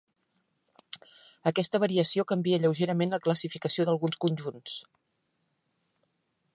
Aquesta variació canvia lleugerament la classificació d'alguns conjunts.